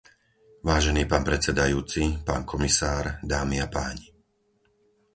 Vážený pán predsedajúci, pán komisár, dámy a páni.